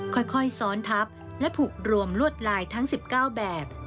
ค่อยซ้อนทับและผูกรวมลวดลายทั้ง๑๙แบบ